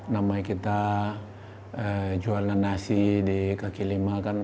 namanya kita jualan nasi di kekilima kan